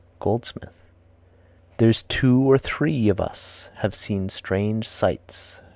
Goldsmith. "There's two or three of us have seen strange sights."